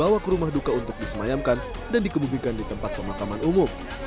dibawa ke rumah duka untuk disemayamkan dan dikebumikan di tempat pemakaman umum